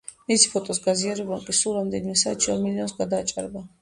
მისი ფოტოს გაზიარებამ კი სულ რამდენიმე საათში ორ მილიონს გადააჭარბა.